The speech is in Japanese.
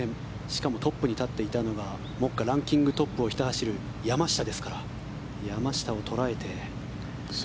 しかもトップに立っていたのが目下ランキングトップをひた走る山下ですから、山下を捉えて。